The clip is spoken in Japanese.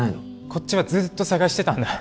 こっちはずっと捜してたんだ。